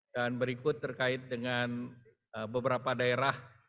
dan berikut terkait dengan beberapa daerah